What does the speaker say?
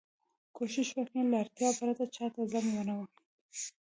کوشش وکړئ! له اړتیا پرته چا ته زنګ و نه وهئ.